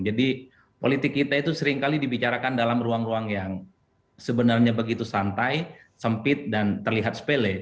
jadi politik kita itu seringkali dibicarakan dalam ruang ruang yang sebenarnya begitu santai sempit dan terlihat sepele